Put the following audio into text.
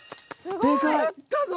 やったぞ！